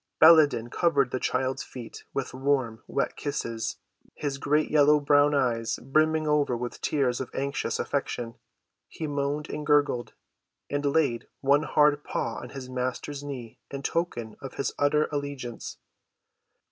Baladan covered the child's feet with warm, wet kisses, his great yellow‐ brown eyes brimming over with tears of anxious affection. He moaned and gurgled and laid one hard paw on his master's knee in token of his utter allegiance.